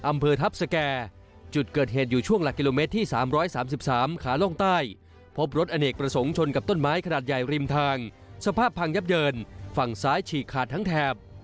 อำเภอทัพสแก่จุดเกิดเหตุอยู่ช่วงหลักกิโลเมตรที่๓๓ขาล่องใต้พบรถอเนกประสงค์ชนกับต้นไม้ขนาดใหญ่ริมทางสภาพพังยับเยินฝั่งซ้ายฉีกขาดทั้งแถบ